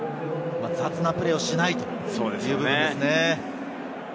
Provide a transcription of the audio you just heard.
雑なプレーをしないということですね。